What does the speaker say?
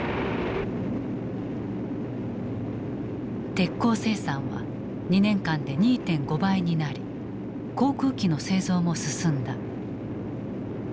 鉄鋼生産は２年間で２．５倍になり航空機の製造も進んだ。